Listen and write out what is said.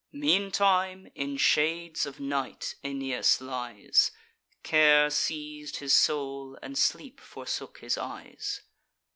Meantime, in shades of night Aeneas lies: Care seiz'd his soul, and sleep forsook his eyes.